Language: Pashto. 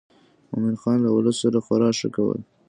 مومن خان له ولس سره خورا ښه کول.